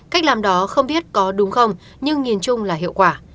cách làm đó không biết có đúng không nhưng nhìn chung là hiệu quả